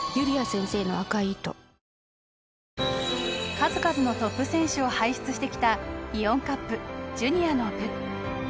数々のトップ選手を輩出してきたイオンカップジュニアの部。